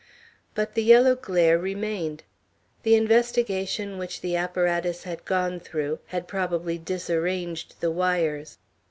But the yellow glare remained. The investigation which the apparatus had gone through had probably disarranged the wires.